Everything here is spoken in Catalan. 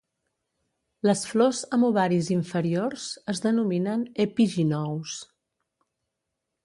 Les flors amb ovaris inferiors es denominen epígynous.